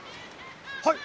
はい。